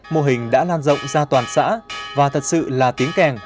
mô hình đã lan rộng ra toàn xã và thật sự là tiếng kèn